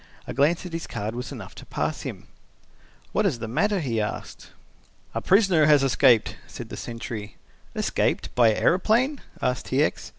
A glance at his card was enough to pass him. "What is the matter?" he asked. "A prisoner has escaped," said the sentry. "Escaped by aeroplane?" asked T. X.